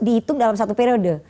dihitung dalam satu periode